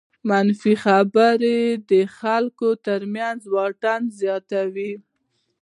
منفي خبرې د خلکو تر منځ واټن زیاتوي.